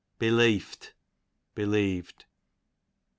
Beleeft, believed.